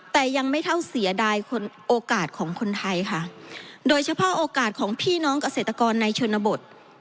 แต่ยังไม่เท่าเสียดายโอกาสของคนไทยค่ะโดยเฉพาะโอกาสของพี่น้องเกษตรกรในชนบท